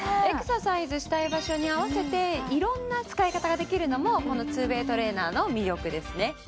エクササイズしたい場所に合わせていろんな使い方ができるのもこの２ＷＡＹトレーナーの魅力ですね。